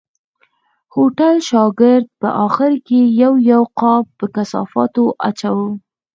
د هوټل شاګرد په آخر کې یو یو قاب په کثافاتو اچاوه.